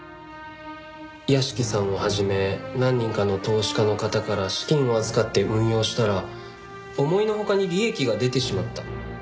屋敷さんを始め何人かの投資家の方から資金を預かって運用したら思いのほかに利益が出てしまった。